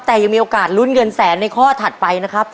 แต่ยังมีโอกาสลุ้นเงินแสนในข้อถัดไปนะครับ